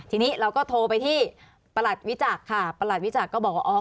ทีนี้เราก็โทรไปที่ประหลัดวิจักษ์ค่ะประหลัดวิจักรก็บอกว่าอ๋อ